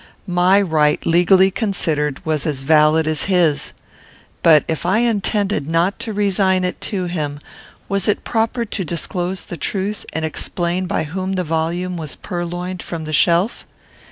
My right, legally considered, was as valid as his. But, if I intended not to resign it to him, was it proper to disclose the truth and explain by whom the volume was purloined from the shelf?